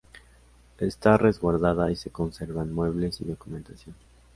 Está resguardada y se conservan muebles y documentación.